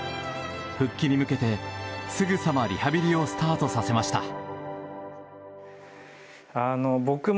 復帰に向けてすぐさまリハビリをスタートさせました。